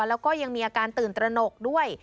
แล้วก็ยังมีอาการตื่นตระหนกด้วย